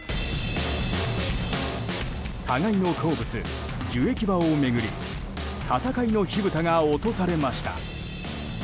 互いの好物、樹液場を巡り戦いの火ぶたが落とされました。